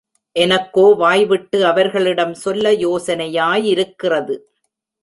எனக்கோ வாய்விட்டு அவர்களிடம் சொல்ல யோசனையாயிருக்கிறது.